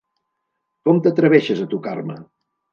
Com t'atreveixes a tocar-me?